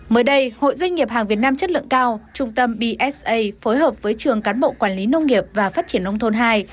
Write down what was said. mới đây hội doanh nghiệp hàng việt nam chất lượng cao trung tâm bsa phối hợp với trường cán bộ quản lý nông nghiệp và phát triển nông thôn hai